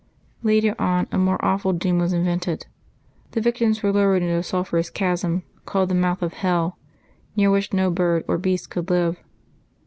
Later on, a more awful doom was invented. The victims v/ere lowered into a sulphurous chasm, called the " mouth of hell," near which no bird or beast could live.